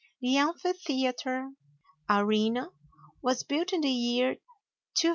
The amphitheater (arena) was built in the year 290 A.